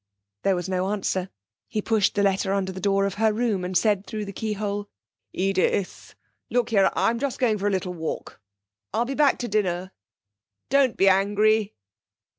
There was no answer. He pushed the letter under the door of her room, and said through the keyhole: 'Edith, look here, I'm just going for a little walk. I'll be back to dinner. Don't be angry.'